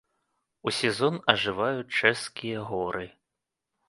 У сезон ажываюць чэшскія горы.